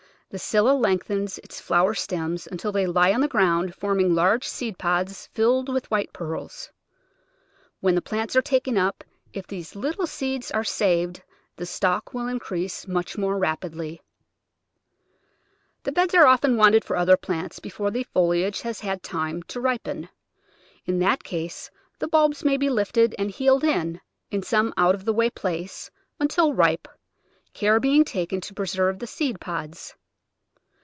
The Scilla lengthens its flower stems until they lie on the ground, forming large seed pods filled with white pearls. When the plants are taken up, if these little seeds are saved the stock will increase much more rap idly. The beds are often wanted for other plants before the foliage has had time to ripen. In that case the bulbs may be lifted and heeled in, in some out of the way place, until ripe, care being taken to preserve die seed pods.